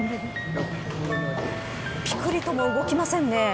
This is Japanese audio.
ぴくりとも動きませんね。